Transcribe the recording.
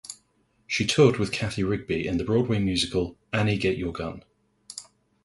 She toured with Cathy Rigby in the Broadway musical "Annie Get Your Gun".